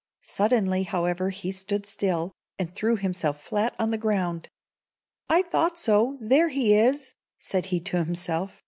Suddenly, however, he stood still, and threw himself flat on the ground. "I thought so there he is!" said he to himself.